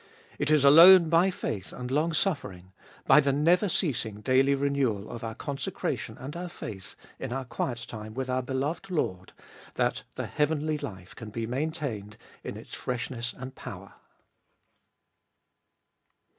It is alone by faith and longsuffering, by the never ceasing daily renewal of our con secration and our faith in our quiet time with our Beloved Lord, that the heavenly life can be maintained in its freshness and power.